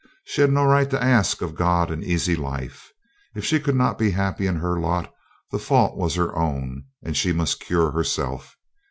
She had no right to ask of God an easy life. If she could not be happy in her lot, the fault was her own, and she must cure herself.